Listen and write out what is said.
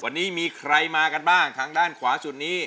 วันนี้มีใครมากันบ้างทางด้านขวาสุดนี้